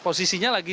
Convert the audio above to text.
posisinya lagi di